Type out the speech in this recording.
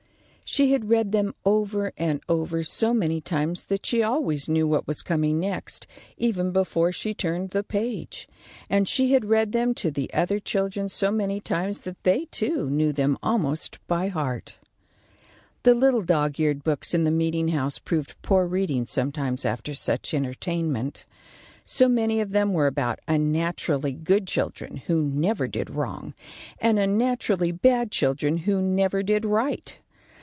She had read them over and over so many times that she always knew what was coming next, even before she turned the page; and she had read them to the other children so many times that they, too, knew them almost by heart. The little dog eared books in the meeting house proved poor reading sometimes after such entertainment. So many of them were about unnaturally good children who never did wrong, and unnaturally bad children who never did right.